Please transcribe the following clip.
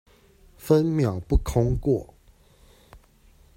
分秒不空過